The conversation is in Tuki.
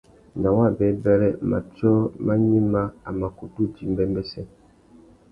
Nà wabêbêrê, matiō mà gnïmá, a mà kutu djï mbêmbêssê.